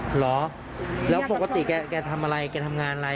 เหรอแล้วปกติแกทำอะไรแกทำงานอะไร